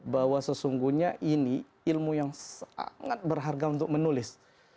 bahwa sesungguhnya ini ilmu yang sangat berharga untuk menulis